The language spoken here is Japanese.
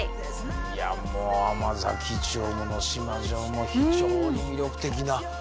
いやもう甘崎城も能島城も非常に魅力的なお城でしたね。